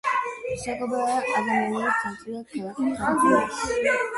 საგუბერნატოროს ადმინისტრაციული ცენტრია ქალაქი ქაფრ-ელ-შაიხი.